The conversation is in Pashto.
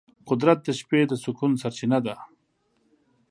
قدرت د شپې د سکون سرچینه ده.